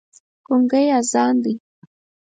ګونګی اذان دی